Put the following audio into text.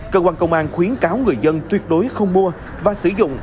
cơ quan công an khuyến cáo người dân tuyệt đối không mua và sử dụng